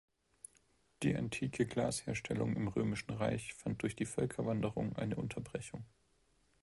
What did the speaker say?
Die antike Glasherstellung im Römischen Reich fand durch die Völkerwanderung eine Unterbrechung.